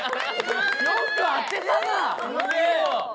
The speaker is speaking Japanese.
よく当てたな！